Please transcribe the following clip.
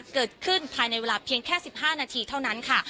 เกิดขึ้นภายในเวลาเพียงแค่๑๕นาทีเท่านั้น